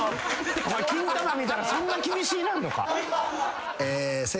お前金玉見たらそんな厳しいなんのか。